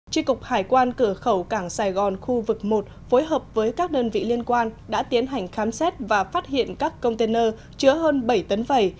tri cục hải quan cửa khẩu cảng sài gòn khu vực một phối hợp với các đơn vị liên quan đã tiến hành khám xét và phát hiện các container chứa hơn bảy tấn vẩy